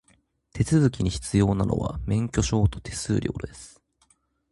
手続きに必要なのは、免許証と手数料です。